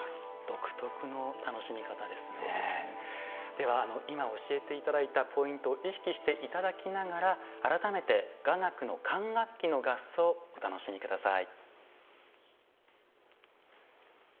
では今教えて頂いたポイントを意識して頂きながら改めて雅楽の管楽器の合奏お楽しみ下さい。